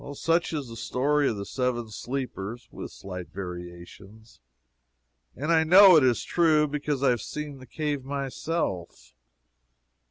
Such is the story of the Seven Sleepers, (with slight variations,) and I know it is true, because I have seen the cave myself.